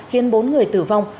khiến bốn người tử vong